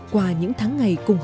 qua những tháng ngày cùng hạng